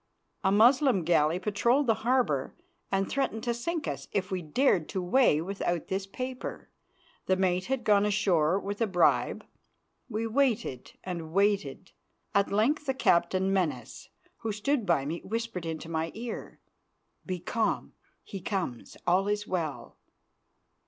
A Moslem galley patrolled the harbour and threatened to sink us if we dared to weigh without this paper. The mate had gone ashore with a bribe. We waited and waited. At length the captain, Menas, who stood by me, whispered into my ear, "Be calm; he comes; all is well."